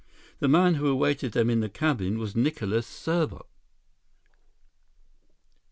The man who awaited them in the cabin was Nicholas Serbot!